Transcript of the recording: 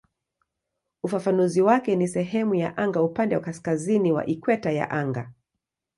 Ufafanuzi wake ni "sehemu ya anga upande wa kaskazini wa ikweta ya anga".